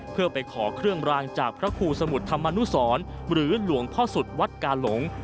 เพื่อไปขอเครื่องรางจากพระครูสมุทรธรรมนุสรหรือหลวงพ่อสุดวัดกาหลง